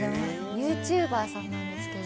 ＹｏｕＴｕｂｅｒさんなんですけど。